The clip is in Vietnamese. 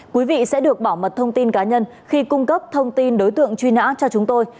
quý vị sẽ được bảo mật thông tin cá nhân khi cung cấp thông tin đối tượng truy nã cho chúng tôi